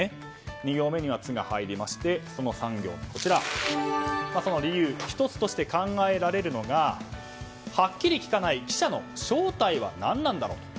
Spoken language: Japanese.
２行目には「ツ」が入って３行目はその理由の１つとして考えられるのがはっきり聞かない記者の正体は何なんだろうと。